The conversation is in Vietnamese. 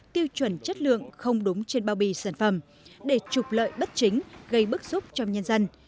tiêu chuẩn chất lượng không đúng trên bao bì sản phẩm để trục lợi bất chính gây bức xúc trong nhân dân